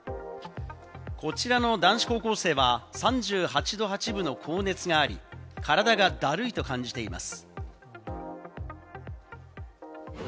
こちらの男子高校生は３８度８分の高熱があり、体がだるいと感じています。